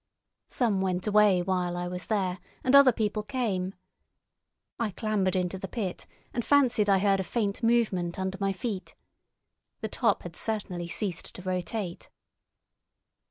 Some went away while I was there, and other people came. I clambered into the pit and fancied I heard a faint movement under my feet. The top had certainly ceased to rotate.